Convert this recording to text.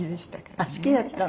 あっ好きだったの？